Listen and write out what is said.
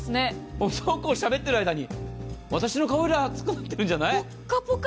そうしゃべっている間に、私の顔よりあったかくなってるんじゃない？